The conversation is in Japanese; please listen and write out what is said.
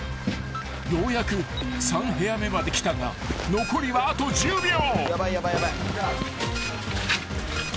［ようやく３部屋目まで来たが残りはあと１０秒］